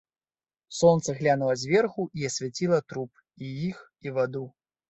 Сонца глянула зверху і асвяціла труп, і іх, і ваду.